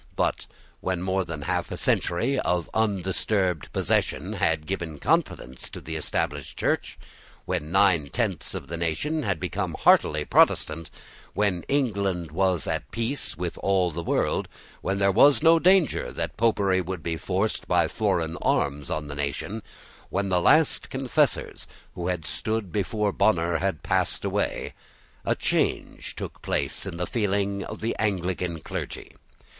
But when more than half a century of undisturbed possession had given confidence to the Established Church, when nine tenths of the nation had become heartily Protestant, when England was at peace with all the world, when there was no danger that Popery would be forced by foreign arms on the nation, when the last confessors who had stood before Bonner had passed away, a change took place in the feeling of the Anglican clergy.